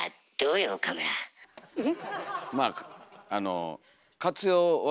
うん。